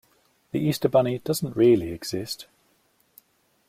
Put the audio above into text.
The Easter Bunny doesn’t really exist.